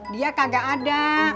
dia kagak ada